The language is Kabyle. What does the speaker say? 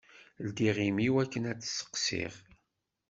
Ldiɣ imi-w akken ad t-steqsiɣ.